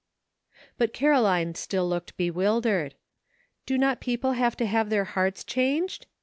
But Caroline still looked bewildered. "Do not people have to have their hearts changed